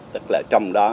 tức là trong đó